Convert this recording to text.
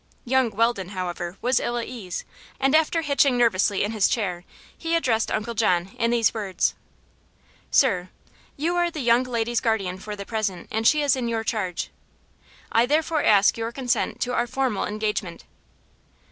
Young Weldon, however, was ill at ease, and after hitching nervously in his chair he addressed Uncle John in these words: "Sir, you are the young lady's guardian for the present, as she is in your charge. I therefore ask your consent to our formal engagement."